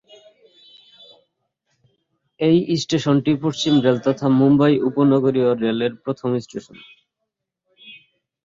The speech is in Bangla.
এই স্টেশনটি পশ্চিম রেল তথা মুম্বাই উপনগরীয় রেলের প্রথম স্টেশন।